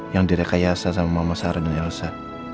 yang direkayasa sama mama sarah dan elsa